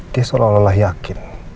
dia seolah olah yakin